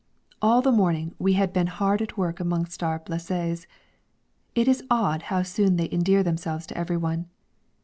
_ All the morning we had been hard at work amongst our blessés. It is odd how soon they endear themselves to everyone.